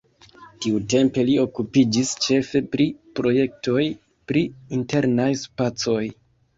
Tiutempe li okupiĝis ĉefe pri projektoj pri internaj spacoj.